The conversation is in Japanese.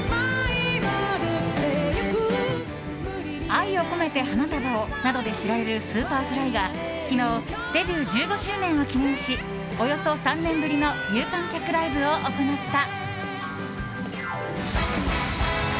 「愛をこめて花束を」などで知られるＳｕｐｅｒｆｌｙが昨日デビュー１５周年を記念しおよそ３年ぶりの有観客ライブを行った。